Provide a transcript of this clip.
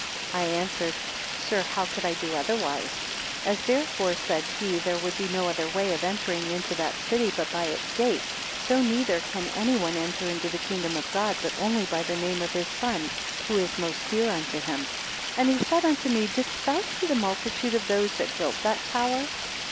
115 I answered, Sir, how could I do otherwise? As therefore, said he, there would be no other way of entering into that city but by its gate, so neither can any one enter into the kingdom of God, but only by the name of his Son, who is most dear unto him. 116 And he said unto me, Didst thou see the multitude of those that built that tower?